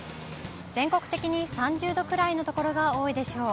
全国的に３０度くらいの所が多いでしょう。